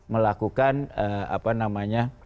melakukan apa namanya